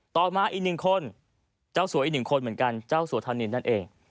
ต่อมาอีกหนึ่งคนเจ้าสัวอีกหนึ่งคนเหมือนกันเจ้าสัวธานินนั่นเอง